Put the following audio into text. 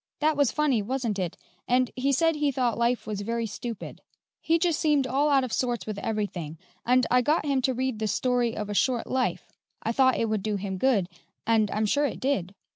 That was funny, wasn't it? And he said he thought life was very stupid. He just seemed all out of sorts with everything, and I got him to read the 'Story of a Short Life;' I thought it would do him good, and I'm sure it did."